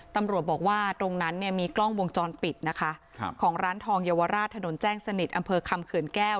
ตำรวจบอกว่าตรงนั้นเนี่ยมีกล้องวงจรปิดนะคะครับของร้านทองเยาวราชถนนแจ้งสนิทอำเภอคำเขื่อนแก้ว